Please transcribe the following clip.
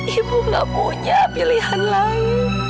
ibu gak punya pilihan lain